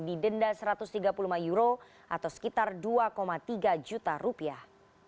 didenda satu ratus tiga puluh lima euro atau sekitar dua tiga juta rupiah